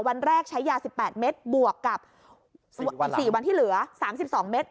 วันแรกใช้ยา๑๘เม็ดบวกกับอีก๔วันที่เหลือ๓๒เมตร